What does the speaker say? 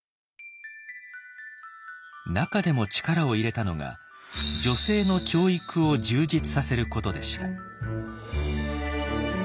中でも力を入れたのが女性の教育を充実させることでした。